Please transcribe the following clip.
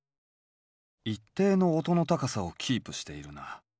一定の音の高さをキープしているな。